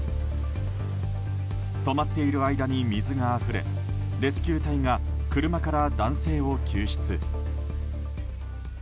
止まっている間に水があふれレスキュー隊が車から男性を救出。